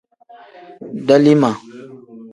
Dalima.